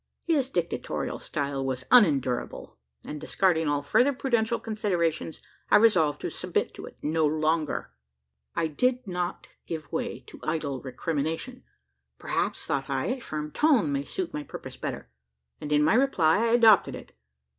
His dictatorial style was unendurable; and discarding all further prudential considerations, I resolved to submit to it no longer. I did not give way to idle recrimination. Perhaps, thought I, a firm tone may suit my purpose better; and, in my reply, I adopted it.